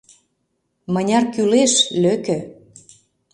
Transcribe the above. Мыняр кӱлеш — лӧкӧ.